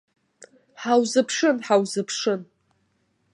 Ҳаузыԥшын, ҳаузыԥшын!